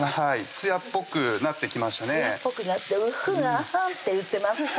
つやっぽくなって「うふんあはん」って言ってます